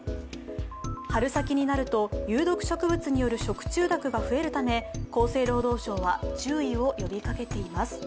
春先になると有毒植物による食中毒が増えるため厚生労働省は注意を呼びかけています。